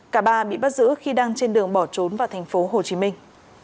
cả ba bị bắt giữ khi đang trên đường bỏ trốn vào thành phố hồ chí minh